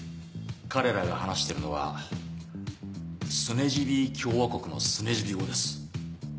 彼らが話してるのはスネジビ共和国のスネジビ語です。